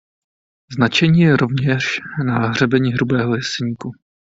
Značení je rovněž na hřebeni Hrubého Jeseníku.